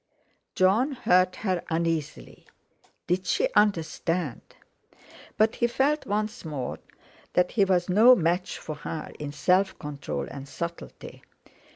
Jon heard her uneasily. Did she understand? But he felt once more that he was no match for her in self control and subtlety.